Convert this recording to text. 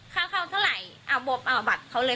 เข้าเท่าไหร่เอาบัตรเขาเลย